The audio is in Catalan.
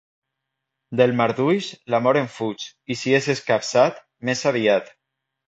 Del marduix, l'amor en fuig, i si és escapçat, més aviat.